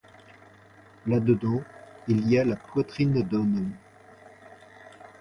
Là dedans, il y a la poitrine d'un homme !